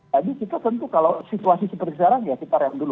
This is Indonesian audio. jadi kita tentu kalau situasi seperti sekarang ya sekitar yang dulu